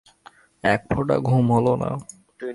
এক ফোঁটা ঘুম হল না।